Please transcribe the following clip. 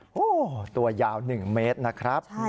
โอ้โหตัวยาว๑เมตรนะครับ